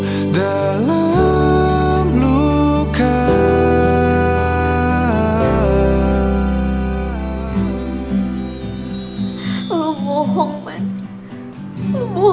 di jalan yang ini